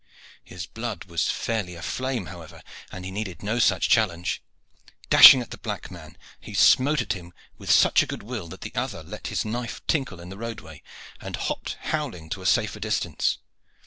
His blood was fairly aflame, however, and he needed no such challenge. Dashing at the black man, he smote at him with such good will that the other let his knife tinkle into the roadway, and hopped howling to a safer distance.